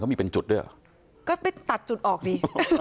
มีเป็นจุดด้วยเหรอก็ไปตัดจุดออกดิ